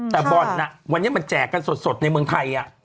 แต่บ่อนวันนี้มันแจกกันสดในเมืองไทย